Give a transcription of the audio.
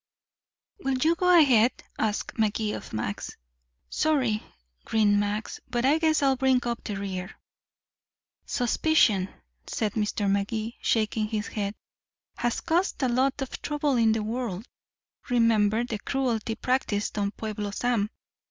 "Will you go ahead?" asked Magee of Max. "Sorry," grinned Max, "but I guess I'll bring up the rear." "Suspicion," said Mr. Magee, shaking his head, "has caused a lot of trouble in the world. Remember the cruelty practised on Pueblo Sam."